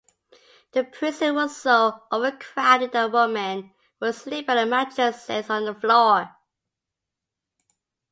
The prison was so overcrowded that women were sleeping on mattresses on the floor.